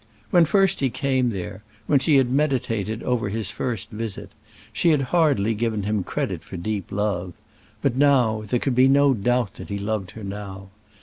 When first he came there when she had meditated over his first visit she had hardly given him credit for deep love; but now there could be no doubt that he loved her now.